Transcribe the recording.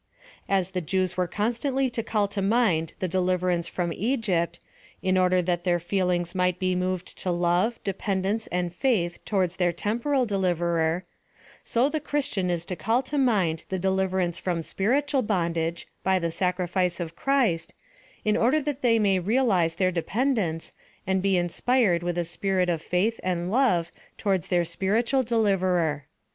As the Jews were constantly to call to mind the deliverance from Egypt, in order that their feelings might be moved to love, depend <jnce and faith towards their temporal Deliverer, so the Christian is to call to mind the deliverance from spiritual bondage, by the sacrifice of Christ, in or der that they may realize their dependence, and be inspired with a spirit of faith and love towards their spiritual Deliverer.